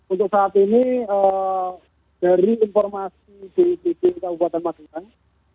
untuk saat ini dari informasi di juri kabupaten magelang